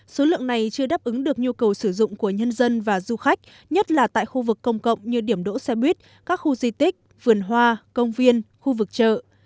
số lượng này chưa đáp ứng được nhu cầu sử dụng của nhân dân và du khách nhất là tại khu vực công cộng như điểm đỗ xe buýt các khu di tích vườn hoa công viên khu vực chợ